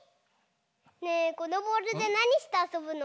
ねえこのボールでなにしてあそぶの？